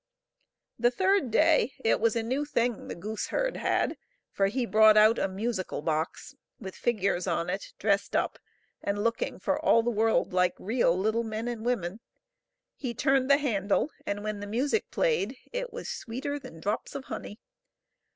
The third day it was a new thing the gooseherd had, for he brought out a musical box with figures on it, dressed up, and looking for all the world like real little men and women. He turned the handle, and when the music played it was sweeter than drops of honey.